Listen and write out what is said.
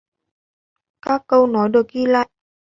Các câu nói được ghi lại